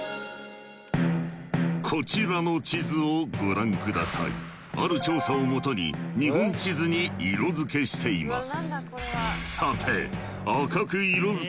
こちらの地図をご覧くださいある調査を基に日本地図に色付けしています